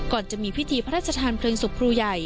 จะมีพิธีพระราชทานเพลิงศพครูใหญ่